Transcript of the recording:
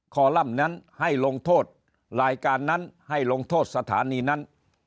คอลัมป์นั้นให้ลงโทษรายการนั้นให้ลงโทษสถานีนั้น